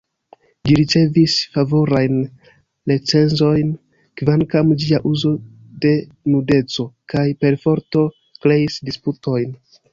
Ĝi ricevis favorajn recenzojn, kvankam ĝia uzo de nudeco kaj perforto kreis disputojn.